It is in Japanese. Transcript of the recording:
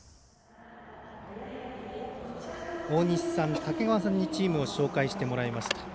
大西さんたちにチームを紹介してもらいました。